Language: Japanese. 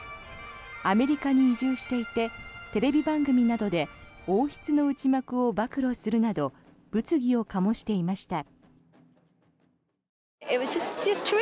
アメリカに移住していてテレビ番組などで王室の内幕を暴露するなど物議を醸していました。